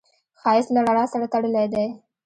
ښایست له رڼا سره تړلی دی